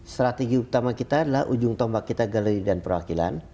strategi utama kita adalah ujung tombak kita galeri dan perwakilan